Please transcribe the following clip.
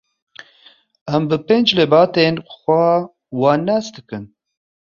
Em bi pênc lebatên xwe wan nas dikin.